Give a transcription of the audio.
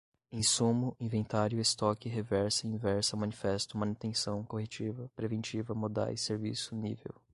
insumo inventário estoque reversa inversa manifesto manutenção corretiva preventiva modais serviço nível